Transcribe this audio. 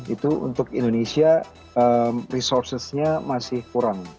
itu untuk indonesia resourcesnya masih kurang